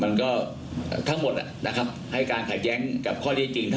นะครับผมก็ต้องให้การว่าเขาให้การขัดแย้งข้อเรียกจริงนะครับ